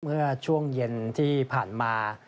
เมื่อช่วงเย็นที่ผ่านมา